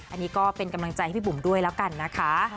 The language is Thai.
อันนี้ก็เป็นกำลังใจให้พี่บุ๋มด้วยแล้วกันนะคะ